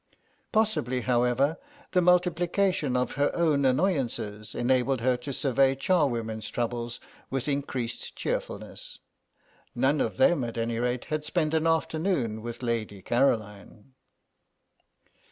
Possibly, however, the multiplication of her own annoyances enabled her to survey charwomen's troubles with increased cheerfulness. None of them, at any rate, had spent an afternoon with Lady Caroline.